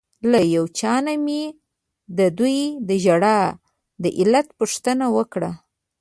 له یو چا نه مې ددوی د ژړا د علت پوښتنه وکړه.